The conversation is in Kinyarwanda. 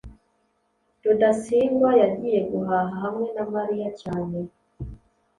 rudasingwa yagiye guhaha hamwe na mariya cyane